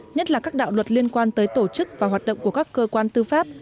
nhất là các đạo luật liên quan tới tổ chức và hoạt động của các cơ quan tư pháp